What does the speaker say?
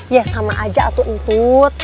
ya sama aja atut atut